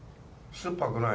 すっぱくない。